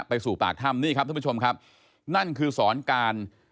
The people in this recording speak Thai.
ไปสู่ปากถ้ำนี่ครับท่านผู้ชมครับนั่นคือสอนการ